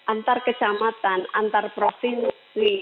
antar kesamatan antar provinsi